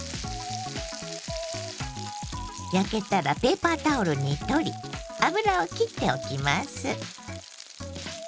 焼けたらペーパータオルに取り油をきっておきます。